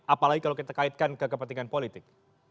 apalagi kalau kita kaitkan ke kepentingan politik